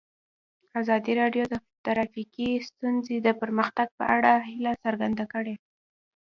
ازادي راډیو د ټرافیکي ستونزې د پرمختګ په اړه هیله څرګنده کړې.